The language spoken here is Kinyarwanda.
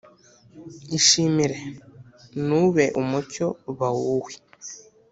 ishimire. nube umucyo. ba wowe.